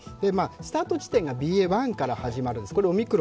スタート地点がＢＡ．１から始まるんです。